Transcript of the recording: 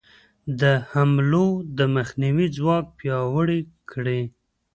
د حملو د مخنیوي ځواک پیاوړی کړي.